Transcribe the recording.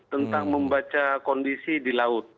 tentang membaca kondisi di laut